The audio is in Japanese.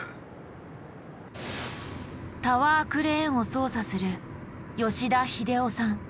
タワークレーンを操作する吉田秀雄さん。